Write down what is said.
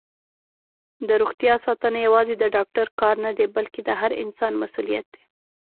دروغتیا ساتنه یوازې د ډاکټر کار نه دی، بلکې د هر انسان مسؤلیت دی.